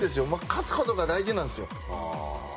勝つことが大事なんですよ。